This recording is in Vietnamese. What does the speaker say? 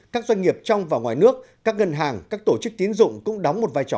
các doanh nghiệp trong và ngoài nước các ngân hàng các tổ chức tiến dụng cũng đóng một vai trò